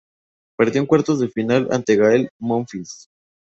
Perdió en cuartos de final ante Gael Monfils.